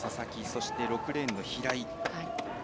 そして、６レーンの平井。